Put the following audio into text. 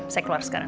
saya keluar sekarang